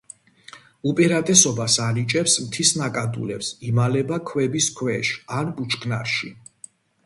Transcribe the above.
უპირატესობას ანიჭებს მთის ნაკადულებს, იმალება ქვების ქვეშ ან ბუჩქნარში.